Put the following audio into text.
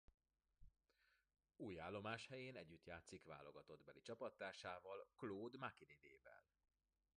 Új állomáshelyén együtt játszik válogatottbeli csapattársával Claude Makélélé-vel.